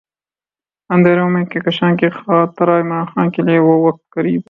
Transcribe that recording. اندھیروں میں کہکشاں کی طرح عمران خان کے لیے وہ وقت قریب ہے۔